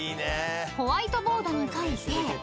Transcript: ［ホワイトボードに書いて］